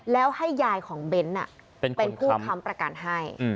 แล้วให้ยายของเบ้นเป็นผู้ค้ำประกันให้